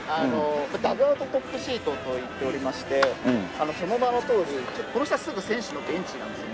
ダグアウトトップシートといっておりましてその名のとおりこの下すぐ選手のベンチなんですよ。